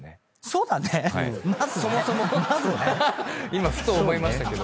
今ふと思いましたけど。